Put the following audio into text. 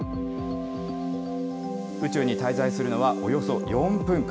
宇宙に滞在するのはおよそ４分間。